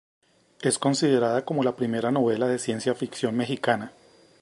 Es considerada como la primera novela de ciencia ficción mexicana.